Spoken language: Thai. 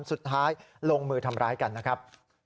สุดท้ายลงมือทำร้ายกันนะครับ